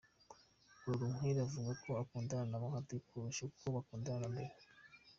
Murorunkwere avuga ko akundana na bahati kurusha uko bakundanaga mbere